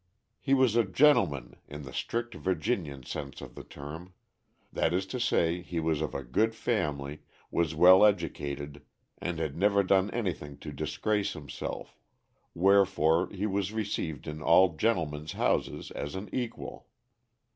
He was a gentleman, in the strict Virginian sense of the term. That is to say he was of a good family, was well educated, and had never done anything to disgrace himself; wherefore he was received in all gentlemen's houses as an equal.